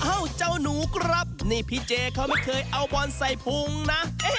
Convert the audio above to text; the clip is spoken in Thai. เจ้าหนูครับนี่พี่เจเขาไม่เคยเอาบอลใส่พุงนะ